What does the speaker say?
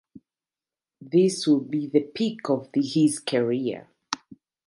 This would be the peak of his career.